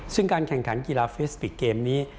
ซึ่งการแข่งขันกีฬาฟิสปิกเกมนี้